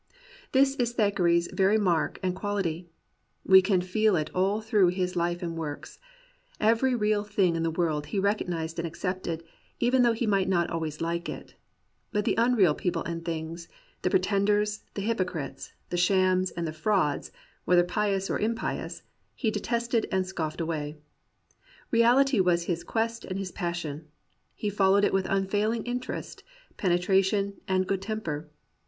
This is Thackeray's very mark and quality. We can feel it all through his life and works. Every thing real in the world he recognized and accepted, even though he might not always like it. But the imreal people and things — the pretenders, the hypo crites, the shams, and the frauds (whether pious or impious) — ^he detested and scoffed away. Reality was his quest and his passion. He followed it with unfailing interest, penetration, and good temper.